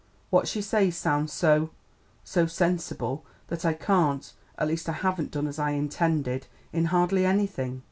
What she says sounds so so sensible that I can't at least I haven't done as I intended in hardly anything."